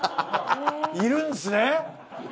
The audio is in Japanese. いるんすね！